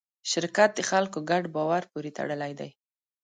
شرکت د خلکو ګډ باور پورې تړلی دی.